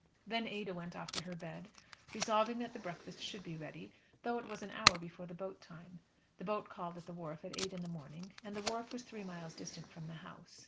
Then Ada went off to her bed, resolving that the breakfast should be ready, though it was an hour before the boat time. The boat called at the wharf at eight in the morning, and the wharf was three miles distant from the house.